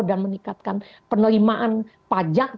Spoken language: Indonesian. dan meningkatkan penerimaan pajak